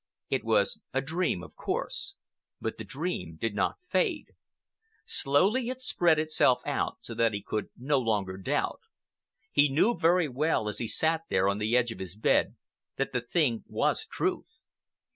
It was a dream, of course. But the dream did not fade. Slowly it spread itself out so that he could no longer doubt. He knew very well as he sat there on the edge of his bed that the thing was truth.